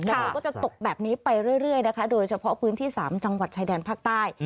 แล้วก็จะตกแบบนี้ไปเรื่อยนะคะโดยเฉพาะพื้นที่๓จังหวัดชายแดนภาคใต้